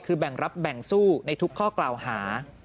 คือแบ่งรับแบ่งสู้ในทุกข้อกล่าวหา